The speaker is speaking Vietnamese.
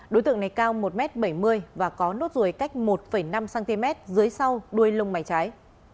đối tượng này cao một bảy mươi m và có nốt ruồi cách một năm cm dưới sau đuôi lông mảnh trái